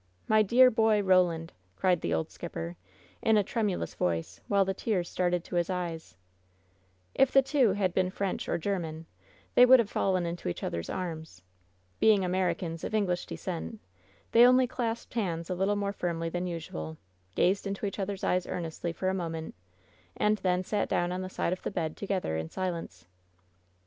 My dear boy, Roland I" cried the old skipper, in a tremulous voice, while the tears started to his eyes. 94 WHEN SHADOWS DIE If the two had been French or German, they would have fallen into each other's arms. Being Americans of English descent, they only clasped hands a little more firmly than usual, gazed into each other's eyes earnestly for a moment, and then sat down on the side of the bed together in silence.